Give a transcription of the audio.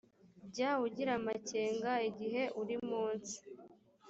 jya ugira amakenga igihe uri munsi